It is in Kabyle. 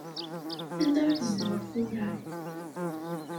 Anda i tzedɣeḍ tura?